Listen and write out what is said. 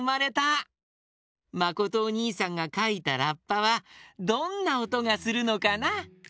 まことおにいさんがかいたラッパはどんなおとがするのかな？